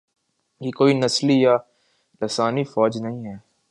یہ کوئی نسلی یا لسانی فوج نہیں ہے۔